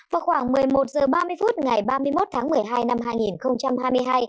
vào khoảng một mươi một h ba mươi phút ngày ba mươi một tháng một mươi hai năm hai nghìn hai mươi hai